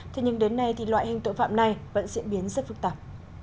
thế nhưng đến nay thì loại hình tội phạm này vẫn diễn biến rất phức tạp